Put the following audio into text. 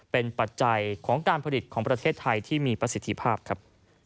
เป็นปัจจัยของการผลิตของประเทศไทยที่มีประสิทธิภาพครับ